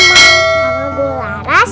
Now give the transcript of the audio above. sama bu laras